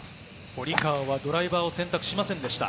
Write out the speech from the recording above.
堀川はドライバーを選択しませんでした。